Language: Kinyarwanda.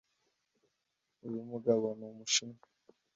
Uyu mugabo numushinwa.